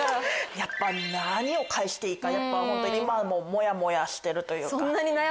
やっぱり何を返していいか今もモヤモヤしてるというか。